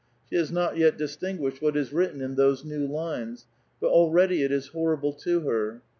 She has not yet distinguished what is written in those new lines, but already it is horrible to her.